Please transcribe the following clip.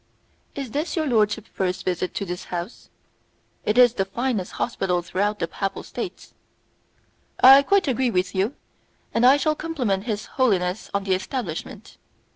"Is this your lordship's first visit to this house? It is the finest hospital throughout the papal states." "I quite agree with you, and I shall compliment His Holiness on the establishment."